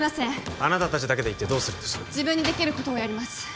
あなた達だけで行ってどうするんです自分にできることをやります